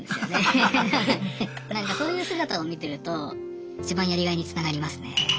なんかそういう姿を見てるといちばんやりがいにつながりますね。